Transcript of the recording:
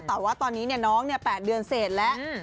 แต่ว่าตอนนี้น้อง๘เดือนเสร็จแล้ว